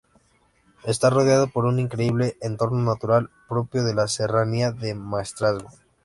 Está rodeada por un increíble entorno natural propio de la Serranía del Maestrazgo.